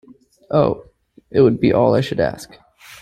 Oh, it would be all I should ask!